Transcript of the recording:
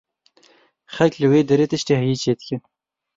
Xelk li wê derê tiştê heyî çêdikin.